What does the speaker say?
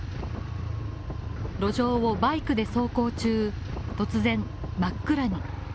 路上をバイクで走行中、突然真っ暗に。